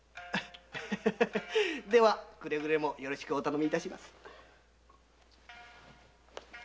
ではくれぐれもよろしくお頼みいたします。